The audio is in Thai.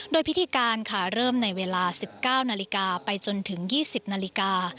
โดยพิธีการค่ะเริ่มในเวลา๑๙นาฬิกาไปจนถึง๒๐นาฬิกา